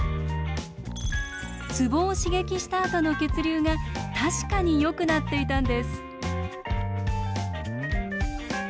ツボを刺激したあとの血流が確かによくなっていたんです。